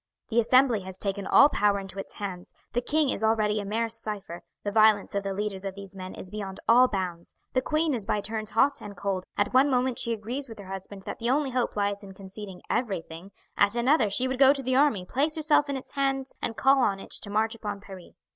The Assembly has taken all power into its hands, the king is already a mere cipher, the violence of the leaders of these men is beyond all bounds; the queen is by turns hot and cold, at one moment she agrees with her husband that the only hope lies in conceding everything; at another she would go to the army, place herself in its hands, and call on it to march upon Paris.